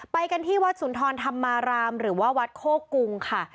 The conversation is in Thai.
ไปกันที่วัดสุนทรธรรมารามหรือว่าวัดโคกรุงค่ะ